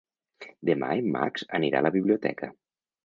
Demà en Max anirà a la biblioteca.